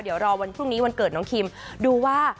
เดี๋ยวรอวันพรุ่งนี้วันเกิดน้องคิมดูว่า